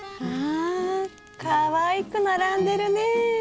あかわいく並んでるね。